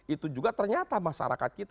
itu juga ternyata masyarakat kita